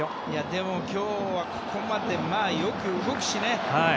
でも今日はここまでよく動いたよね。